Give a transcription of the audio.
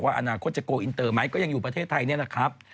อนาคตจะโกลอินเตอร์ไหมก็ยังอยู่ประเทศไทยนี่แหละครับ